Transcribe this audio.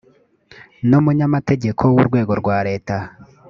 n umunyamategeko w urwego rwa leta